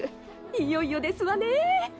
いよいよですわねぇ。